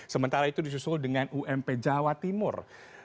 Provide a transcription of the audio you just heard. sementara itu disusul dengan ump jawa timur